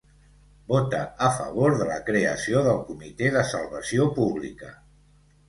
Vota a favor de la creació del Comitè de Salvació Pública.